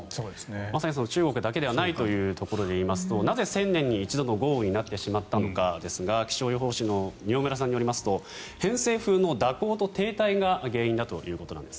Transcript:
まさに中国だけではないというところで言いますとなぜ１０００年に一度の豪雨になってしまったのかですが気象予報士の饒村さんによりますと偏西風の蛇行が原因だということなんです。